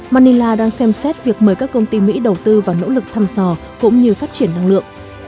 manila đang xem xét việc mời các công ty mỹ đầu tư vào nỗ lực thăm dò cũng như phát triển năng lượng